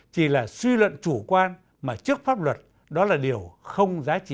chỉ là suy luận chủ quan mà trước pháp luật đó là điều không giá trị